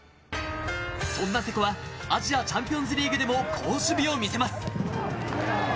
そんな瀬古はアジアチャンピオンズリーグでも好守備を見せます。